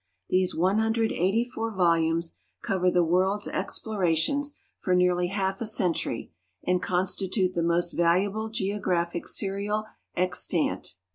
These 184 volumes cover the world's explorations for nearly half a century and constitute the most valuable geographic serial extant.